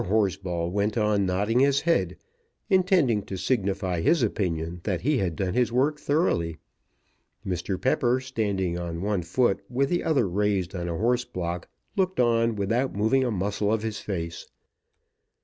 Horsball went on nodding his head, intending to signify his opinion that he had done his work thoroughly; Mr. Pepper, standing on one foot with the other raised on a horse block, looked on without moving a muscle of his face.